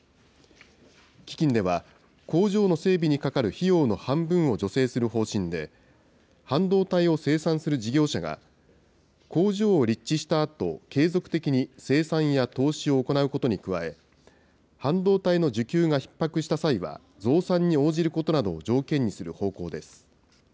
基金では工場の整備にかかる費用の半分を助成する方針で、半導体を生産する事業者が、工場を立地したあと、継続的に生産や投資を行うことに加え、半導体の需給がひっ迫した際は、増産に応じることなどを条件にする方向です。